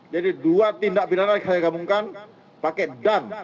jadi dua tindak bidana kita gabungkan pakai dan